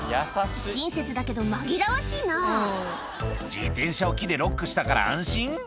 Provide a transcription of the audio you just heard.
親切だけど紛らわしいな「自転車を木でロックしたから安心？」